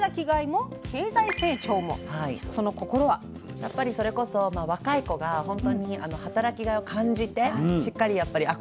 やっぱりそれこそ若い子がほんとに働きがいを感じてしっかりやっぱりあっ